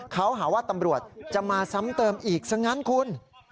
เขาหาว่าตำรวจจะมาซ้ำเติมอีกซะงั้นคุณ